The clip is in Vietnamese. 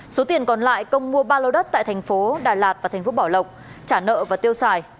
số tiền còn lại công mua ba lô đất tại thành phố đà lạt và thành phố bảo lộc trả nợ và tiêu xài